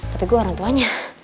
tapi gue orang tuanya